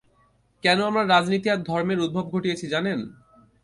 কেন আমরা রাজনীতি আর ধর্মের উদ্ভব ঘটিয়েছি জানেন?